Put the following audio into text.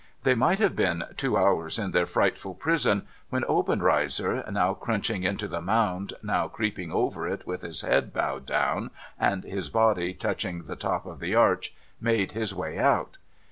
They might have been two hours in their frightful prison, when Obenreizer, now crunching into the mound, now creeping over it with his head bowed down and his body touching the top of the arch, made his way out.